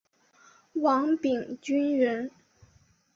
王秉鋆人。